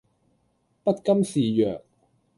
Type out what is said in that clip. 不甘示弱